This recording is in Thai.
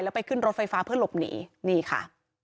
ไปขึ้นรถไฟฟ้าเพื่อหลบหนีนี่ค่ะ